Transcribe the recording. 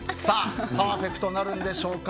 パーフェクトなるんでしょうか。